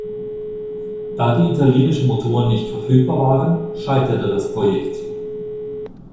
Da die italienischen Motoren nicht verfügbar waren, scheiterte das Projekt.